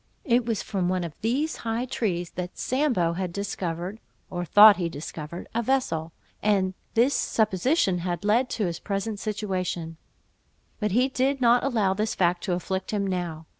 It was from one of these high trees that Sambo had discovered (or thought he discovered) a vessel, and this supposition had led to his present situation; but he did not allow this fact to afflict him now.